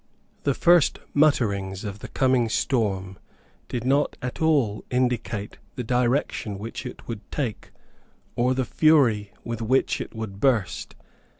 The first mutterings of the coming storm did not at all indicate the direction which it would take, or the fury with which it would burst.